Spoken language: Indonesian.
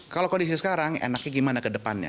kalau kondisi sekarang enaknya gimana ke depannya